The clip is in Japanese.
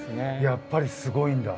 やっぱりすごいんだ？